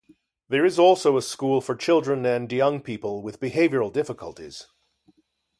There is also a school for children and young people with behavioural difficulties.